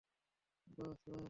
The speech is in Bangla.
বাহ, স্যার।